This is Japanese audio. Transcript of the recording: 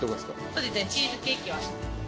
そうですねチーズケーキは。